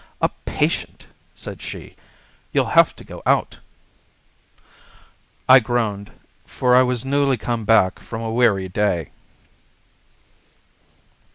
"A patient!" said she. "You'll have to go out." I groaned, for I was newly come back from a weary day.